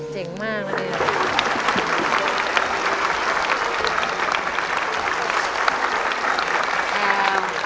เจ๋งมากนะแอล